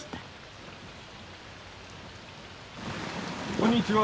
こんにちは。